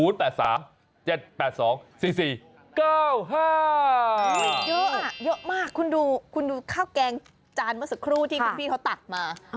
เยอะมากคุณดูข้าวแกงจานมาสักครู่ที่พี่เฮาตัดมา